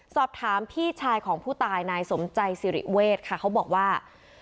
สอบถามพี่ชายของผู้ตายนายสมใจสิริเวศค่ะเขาบอกว่า